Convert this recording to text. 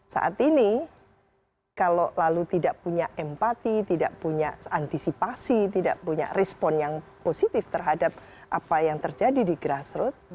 saat ini kalau lalu tidak punya empati tidak punya antisipasi tidak punya respon yang positif terhadap apa yang terjadi di grassroot